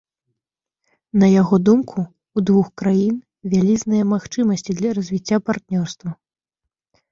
На яго думку, у двух краін вялізныя магчымасці для развіцця партнёрства.